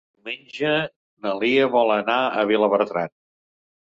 Diumenge na Lia vol anar a Vilabertran.